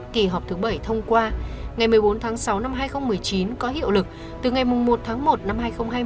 kỳ họp thứ bảy thông qua ngày một mươi bốn tháng sáu năm hai nghìn một mươi chín có hiệu lực từ ngày một tháng một năm hai nghìn hai mươi